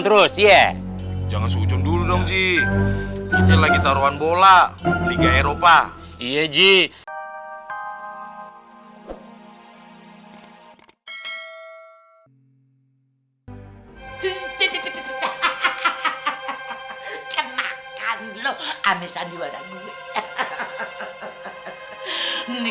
terus ya jangan sujud dulu dong sih kita lagi taruhan bola liga eropa iya ji hahaha hahaha